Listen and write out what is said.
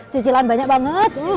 cicilan banyak banget